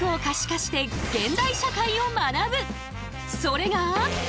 それが。